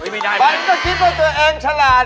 ถ้าคิดว่าเธอเองชลาด